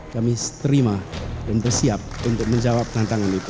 kami terima dan bersiap untuk menjawab tantangan itu